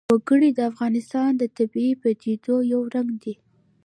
وګړي د افغانستان د طبیعي پدیدو یو رنګ دی.